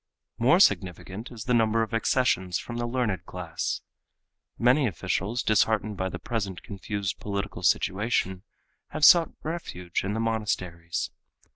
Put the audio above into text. More significant is the number of accessions from the learned class. Many officials, disheartened by the present confused political situation, have sought refuge in the monasteries.